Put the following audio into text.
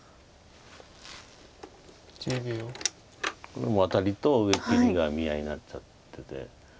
これもワタリと上切りが見合いになっちゃってて。